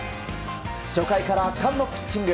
初回から圧巻のピッチング。